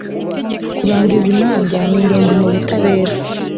kurangiza imanza ni ingenzi mu butabera